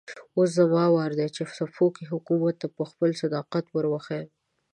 اوس زما وار دی چې صفوي حکومت ته خپل صداقت ور وښيم.